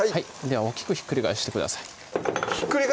はいひっくり返してください